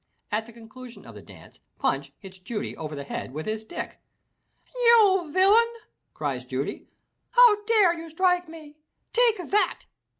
At the conclusion of the dance Punch hits Judy over the head with his stick. "You villain," cries Judy, "how dare you strike me? Take that!"